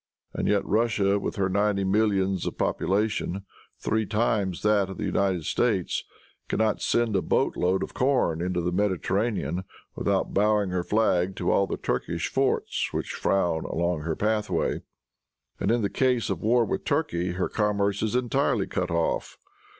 And yet Russia, with her ninety millions of population three times that of the United States can not send a boat load of corn into the Mediterranean without bowing her flag to all the Turkish forts which frown along her pathway. And in case of war with Turkey her commerce is entirely cut off.